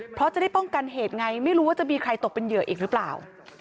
เพราะจะได้ป้องกันเหตุไงไม่รู้ว่าจะมีใครตกเป็นเหยื่ออีกหรือเปล่า